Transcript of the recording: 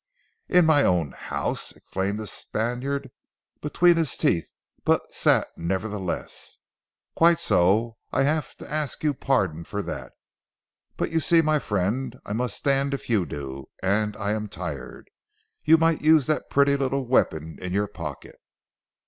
"In my own house!" exclaimed the Spaniard between his teeth but sat nevertheless. "Quite so; I have to ask you pardon for that. But you see my friend, I must stand if you do, and I am tired. You might use that pretty little weapon in your pocket."